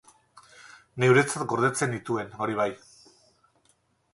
Neuretzat gordetzen nituen, hori bai.